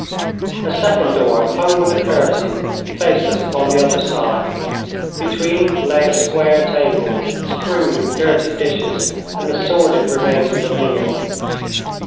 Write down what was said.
A second door, hung with a curtain, faced us upon the other side. Between lay a square table, strewn with dirty dishes and the sordid remains of a meal.